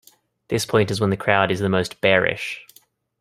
This point is when the "crowd" is the most "bearish".